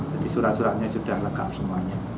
jadi surat suratnya sudah lengkap semuanya